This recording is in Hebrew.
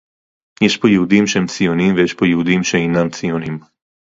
יש פה יהודים שהם ציונים ויש פה יהודים שאינם ציונים